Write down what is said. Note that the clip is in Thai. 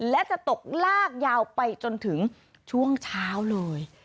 และจะตกลากยาวไปจนถึงช่วงเช้าเลย